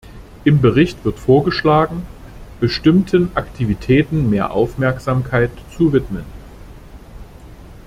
Im Bericht wird vorgeschlagen, bestimmten Aktivitäten mehr Aufmerksamkeit zu widmen.